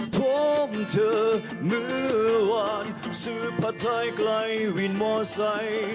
พร้อมเธอเมื่อวานซื้อผัดไทยไกลวินมอไซค์